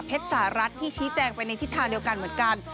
สหรัฐที่ชี้แจงไปในทิศทางเดียวกันเหมือนกัน